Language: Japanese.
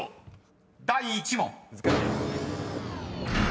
［第１問］